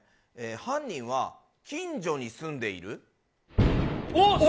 犯人は近所に住んでいる。